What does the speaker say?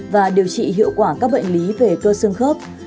và điều trị hiệu quả các bệnh lý về cơ xương khớp